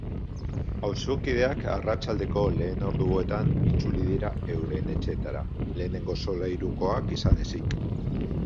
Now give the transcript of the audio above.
Auzokideak arratsaldeko lehen orduetan itzuli dira euren etxeetara, lehenengo solairukoak izan ezik.